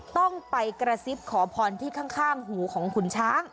ต้องไปกระซิบขอพรที่ข้างหูของขุนช้าง